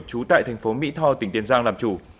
trú tại thành phố mỹ tho tỉnh tiền giang làm chủ